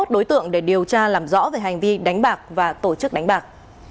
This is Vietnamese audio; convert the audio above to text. hai mươi đối tượng để điều tra làm rõ về hành vi đánh bạc và tổ chức đánh bạc